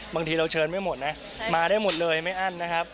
บางทีเราเชิญไม่หมดนะมาได้หมดเลยไม่อั้นนะครับ